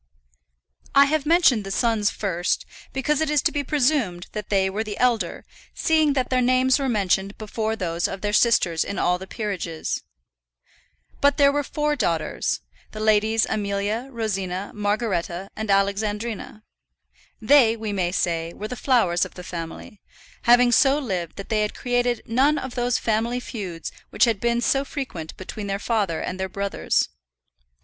I have mentioned the sons first, because it is to be presumed that they were the elder, seeing that their names were mentioned before those of their sisters in all the peerages. But there were four daughters, the Ladies Amelia, Rosina, Margaretta, and Alexandrina. They, we may say, were the flowers of the family, having so lived that they had created none of those family feuds which had been so frequent between their father and their brothers.